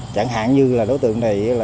chẳng hạn như là đối tượng này